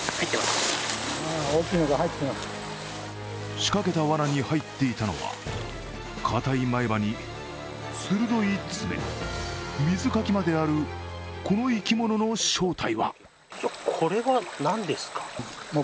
仕掛けたわなに入っていたのは硬い前歯に鋭い爪、水かきまである、この生き物の正体は？